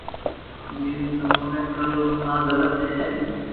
جيم تموو ڪرو ھون آ غلط ي